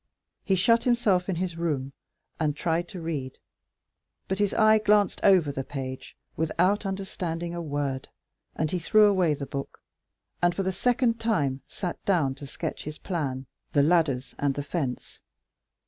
He shut himself in his room, and tried to read, but his eye glanced over the page without understanding a word, and he threw away the book, and for the second time sat down to sketch his plan, the ladders and the fence.